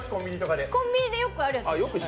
コンビニでよくあるんです。